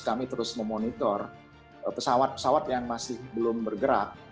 kami terus memonitor pesawat pesawat yang masih belum bergerak